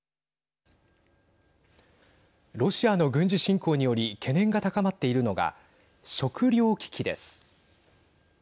ロシアの軍事侵攻により懸念が高まっているのが食糧危機です。